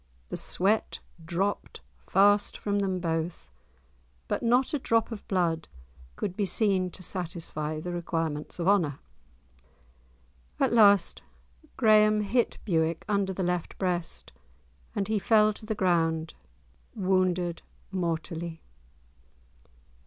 The sweat dropped fast from them both, but not a drop of blood could be seen to satisfy the requirements of honour. At last Graeme hit Bewick under the left breast, and he fell to the ground wounded mortally.